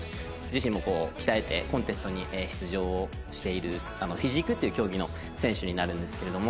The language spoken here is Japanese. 自身も鍛えてコンテストに出場をしているフィジークっていう競技の選手になるんですけれども。